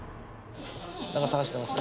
何か探してますか？